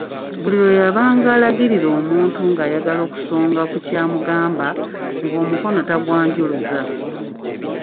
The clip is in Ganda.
Buli lwe yabanga alagirira omuntu nga ayagala okusonga ku kyamugamba, ng'omukono tagwanjuluza.